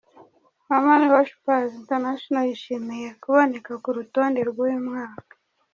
Heman worshipers International yishimiye kuboneka ku rutonde rw'uyu mwaka.